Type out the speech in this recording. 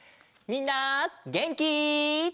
みんなげんき？